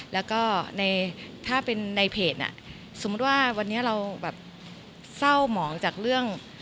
แล้วก็ถ้าเป็นในเพจสมมุติว่าวันนี้เราแบบเศร้าหมองจากเรื่อง